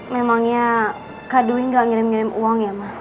memangnya kak dewi gak ngirim ngirim uang ya pak